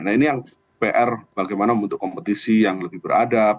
nah ini yang pr bagaimana membentuk kompetisi yang lebih beradab